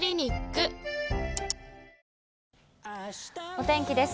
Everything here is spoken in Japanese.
お天気です。